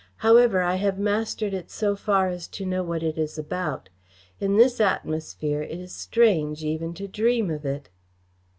However, I have mastered it so far as to know what it is about. In this atmosphere it is strange even to dream of it."